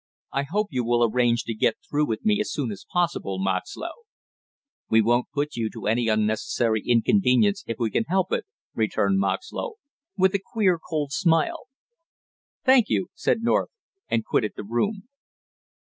"I hope you will arrange to get through with me as soon as possible, Moxlow!" "We won't put you to any unnecessary inconvenience if we can help it," returned Moxlow, with a queer cold smile. "Thank you," said North and quitted the room.